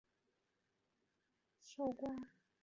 大业年间为寿光县令。